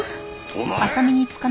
お前！